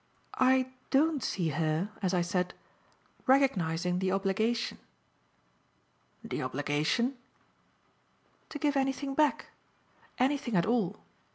"I DON'T see her, as I said, recognising the obligation." "The obligation ?" "To give anything back. Anything at all."